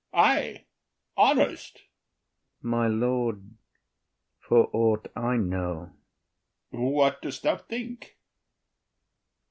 ay, honest. IAGO. My lord, for aught I know. OTHELLO. What dost thou think?